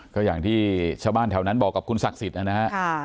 ก็อย่างที่ชาวบ้านแถวนั้นบอกกับคุณศักดิ์สิทธิ์นะฮะ